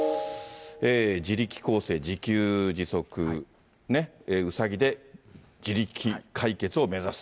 自力更生、自給自足、うさぎで自力解決を目指す。